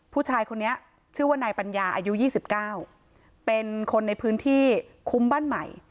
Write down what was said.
ผู้ชายคนนี้ชื่อว่านายปัญญาอายุ๒๙เป็นคนในพื้นที่คุ้มบ้านใหม่